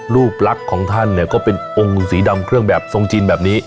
รูปลักษณ์ของท่านเนี่ยก็เป็นองค์สีดำเครื่องแบบทรงจีนแบบนี้